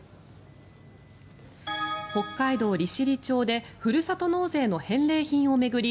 北海道利尻町でふるさと納税の返礼品を巡り